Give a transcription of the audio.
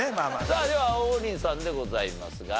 さあでは王林さんでございますが。